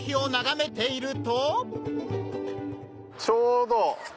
ちょうど。